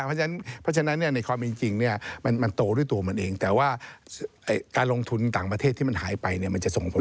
เพราะฉะนั้นในความเป็นจริงเนี่ยมันโตด้วยตัวมันเองแต่ว่าการลงทุนต่างประเทศที่มันหายไปเนี่ยมันจะส่งผล